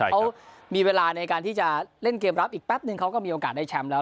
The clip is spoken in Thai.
เขามีเวลาในการที่จะเล่นเกมรับอีกแป๊บนึงเขาก็มีโอกาสได้แชมป์แล้ว